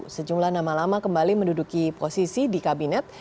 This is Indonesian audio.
sejumlah nama lama kembali menduduki posisi di kabinet